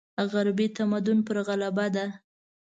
غربي تمدن پر غلبه ده.